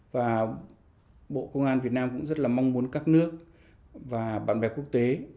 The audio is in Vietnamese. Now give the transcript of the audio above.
và bộ công an việt nam cũng rất là mong muốn các nước và bạn bè quốc tế